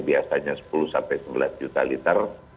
biasanya sepuluh sampai sebelas juta liter